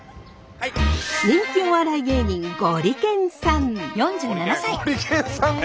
人気お笑い芸人ゴリけんさん。